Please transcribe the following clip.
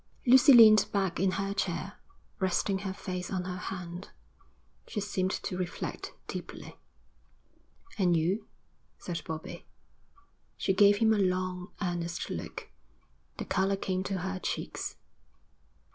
Lucy leaned back in her chair, resting her face on her hand. She seemed to reflect deeply. 'And you?' said Bobbie. She gave him a long, earnest look. The colour came to her cheeks.